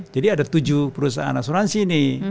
jadi ada tujuh perusahaan asuransi ini